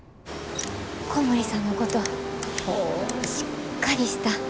小森さんのことしっかりしたええ